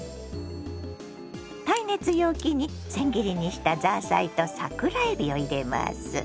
耐熱容器にせん切りにしたザーサイと桜えびを入れます。